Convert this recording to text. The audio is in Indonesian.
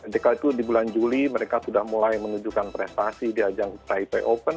jika itu di bulan juli mereka sudah mulai menunjukkan prestasi di ajang taipei open